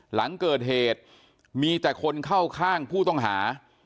หลังเกิดเหตุมีแต่คนเข้าข้างผู้ต้องหา